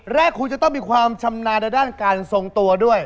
แรกคุณจะต้องมีความชำนาญในด้านการทรงตัวด้วย